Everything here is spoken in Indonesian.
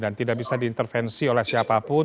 dan tidak bisa diintervensi oleh siapapun